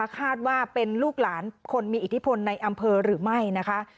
คาดว่าเป็นลูกหลานคนมีอิทธิพลในอำเภอหรือไม่นะคะ